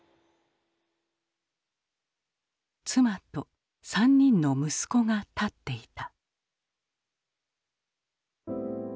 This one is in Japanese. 妻と３人の息子が立っていた。